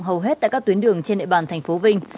hầu hết tại các tuyến đường trên địa bàn tp vinh